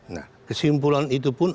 nah kesimpulan itu pun